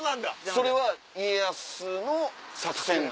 それは家康の作戦なの？